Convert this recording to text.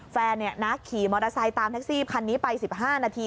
แฟนขี่มอเตอร์ไซค์ตามแท็กซี่คันนี้ไป๑๕นาที